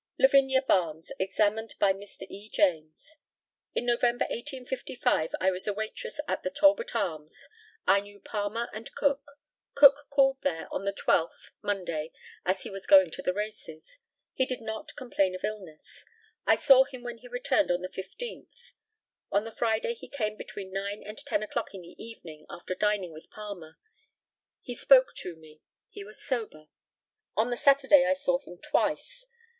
LAVINIA BARNES, examined by Mr. E. JAMES: In November, 1855, I was a waitress at the Talbot Arms. I knew Palmer and Cook. Cook called there on the 12th (Monday) as he was going to the races. He did not complain of illness. I saw him when he returned on the 15th. On the Friday he came between nine and ten o'clock in the evening, after dining with Palmer. He spoke to me. He was sober. On the Saturday I saw him twice.